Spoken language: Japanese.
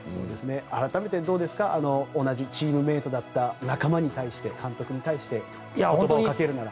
改めて、どうですか同じチームメートだった仲間に対して、監督に対して言葉をかけるなら。